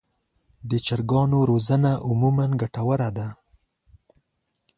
د چرګانو روزنه عموماً ګټه وره وي.